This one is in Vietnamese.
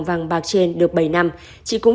vàng bạc trên được bảy năm chị cũng